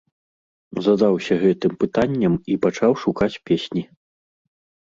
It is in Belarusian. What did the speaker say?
Задаўся гэтым пытаннем і пачаў шукаць песні.